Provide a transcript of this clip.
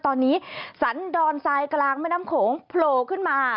ตอนนี้สันดอนทรายกลางแม่น้ำโขงโผล่ขึ้นมา